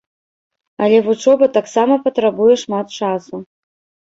Але вучоба таксама патрабуе шмат часу.